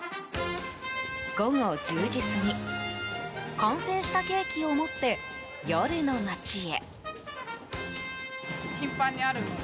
午後１０時過ぎ完成したケーキを持って夜の街へ。